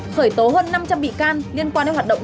khởi tố hơn năm trăm linh bị can liên quan đến hoạt động